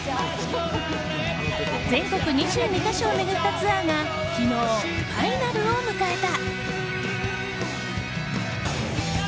全国２２か所を巡ったツアーが昨日、ファイナルを迎えた。